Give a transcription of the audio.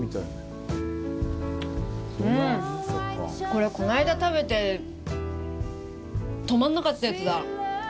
これこの間食べて止まんなかったやつだ。